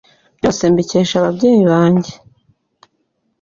Byose mbikesha ababyeyi bange,